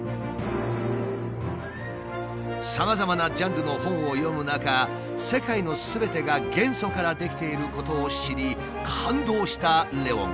さまざまなジャンルの本を読む中世界のすべてが元素から出来ていることを知り感動したレウォンくん。